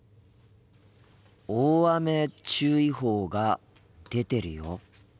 大雨注意報が出てるよ。